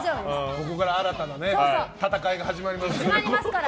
ここから新たな戦いが始まります。